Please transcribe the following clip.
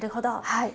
はい。